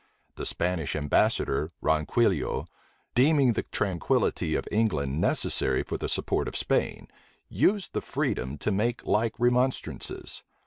The Spanish ambassador, Ronquillo, deeming the tranquillity of England necessary for the support of Spain, used the freedom to make like remonstrances.